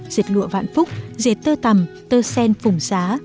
dệt lụa vạn phúc dệt tơ tầm tơ sen phùng xá